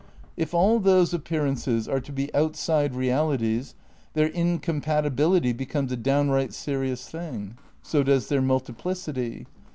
If all those appearances are to be outside realities their incom patibility becomes a downright serious thing. So does their multiplicity.